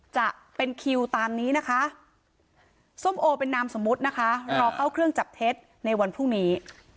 จะเป็นคิวตามนี้นะคะส้มโอเป็นนามสมมุตินะคะรอเข้าเครื่องจับเท็จในวันพรุ่งนี้